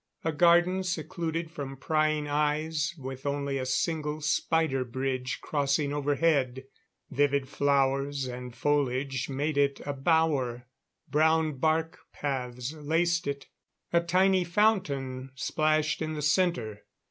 A garden secluded from prying eyes, with only a single spider bridge crossing overhead. Vivid flowers and foliage made it a bower. Brown bark paths laced it; a tiny fountain splashed in the center.